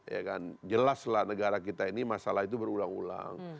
ya kan jelaslah negara kita ini masalah itu berulang ulang